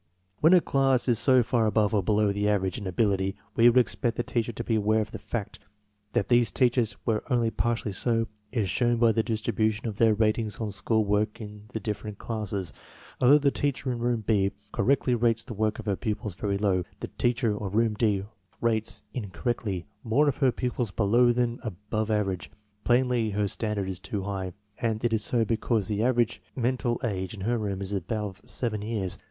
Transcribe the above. When a class is so far above or below the average in ability we would expect the teacher to be aware of the fact. That these teachers were only partially so is shown by the distribution of their ratings on school work in the different classes. Although the teacher in room B correctly rates the work of her pupils very low, the teacher of room D rates (incorrectly) more of her pupils below than above average. Plainly her stand ard is too high, and it is so because the average menta f age in her room is above seven years.